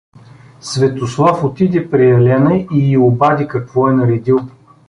Светослав отиде при Елена и й обади какво е наредил.